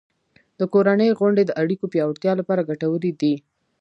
د کورنۍ غونډې د اړیکو پیاوړتیا لپاره ګټورې دي.